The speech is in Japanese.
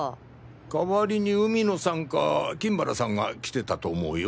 代わりに海野さんか金原さんが来てたと思うよ。